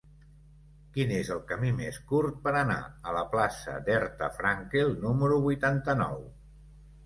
Quin és el camí més curt per anar a la plaça d'Herta Frankel número vuitanta-nou?